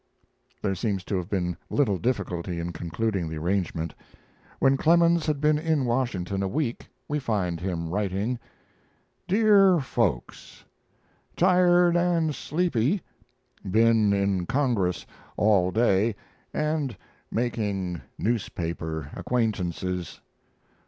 ] There seems to have been little difficulty in concluding the arrangement. When Clemens had been in Washington a week we find him writing: DEAR FOLKS, Tired and sleepy been in Congress all day and making newspaper acquaintances.